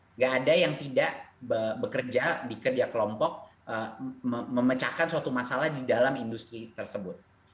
tidak ada yang tidak bekerja di kerja kelompok memecahkan suatu masalah di dalam industri tersebut